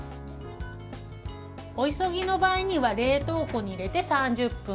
お急ぎの場合には冷凍庫に入れて３０分。